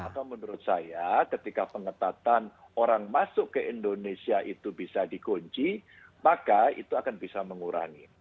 atau menurut saya ketika pengetatan orang masuk ke indonesia itu bisa dikunci maka itu akan bisa mengurangi